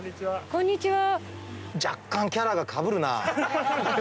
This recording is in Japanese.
こんにちは。